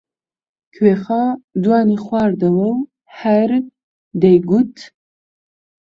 کوێخا دوانی خواردەوە و هەر دەیگوت: